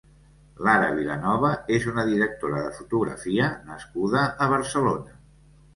Lara Vilanova és una directora de fotografia nascuda a Barcelona.